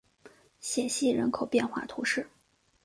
谢西人口变化图示